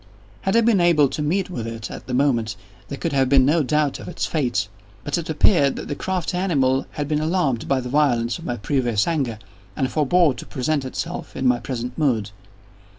Had I been able to meet with it, at the moment, there could have been no doubt of its fate; but it appeared that the crafty animal had been alarmed at the violence of my previous anger, and forebore to present itself in my present mood.